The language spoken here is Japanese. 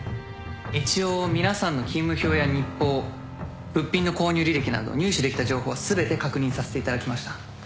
一応皆さんの勤務表や日報物品の購入履歴など入手できた情報は全て確認させていただきました。